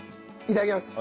いただきます。